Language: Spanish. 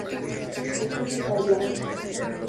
Es vegetariano.